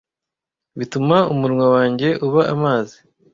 Bituma umunwa wanjye uba amazi.